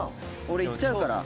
「俺いっちゃうから」